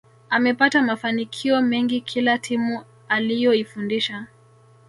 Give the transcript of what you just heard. Amepata mafanikio mengi kila timu aliyoifundisha